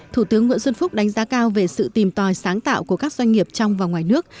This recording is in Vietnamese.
thủ tướng nguyễn xuân phúc đánh giá cao về sự tìm tòi sáng tạo của các doanh nghiệp trong và ngoài nước